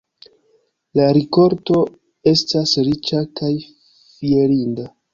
La rikolto estas riĉa kaj fierinda.